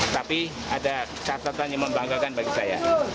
tapi ada catatan yang membanggakan bagi saya